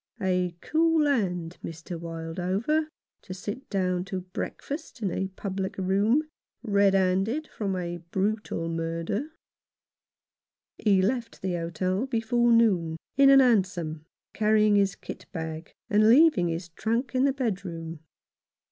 A cool hand, Mr. Wildover, to sit down to breakfast in a public room, red handed from a brutal murder. He left the hotel before noon, in a hansom, carrying his kit bag, and leaving his trunk in his bedroom.